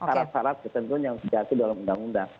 syarat syarat ketentuan yang terjadi dalam undang undang